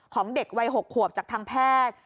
ของเด็กวัย๖ขวบจากทางแพทย์